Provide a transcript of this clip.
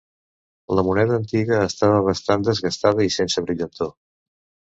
La moneda antiga estava bastant desgastada i sense brillantor.